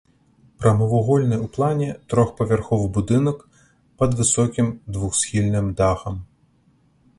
Прамавугольны ў плане трохпавярховы будынак пад высокім двухсхільным дахам.